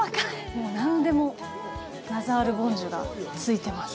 もう何でもナザールボンジュウがついてます。